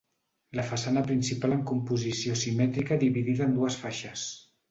La façana principal amb composició simètrica dividida en dues faixes.